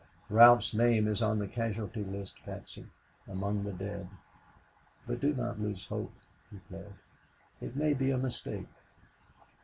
"Ralph's name is on the casualty list, Patsy among the dead. But do not lose hope," he pled, "it may be a mistake."